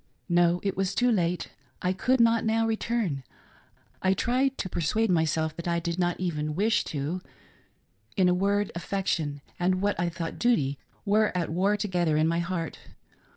No ; it was too late — I could not now return ;— I tried to persuade myself that I did not even wish to ;— in a word.s affection, and what I thought duty, were at war together in my heart.